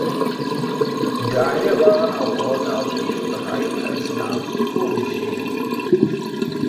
Daher waren auch Orte aus diesem Bereich als Namen vorgesehen.